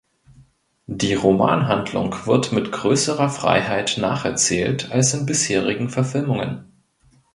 Die Romanhandlung wird mit größerer Freiheit nacherzählt als in bisherigen Verfilmungen.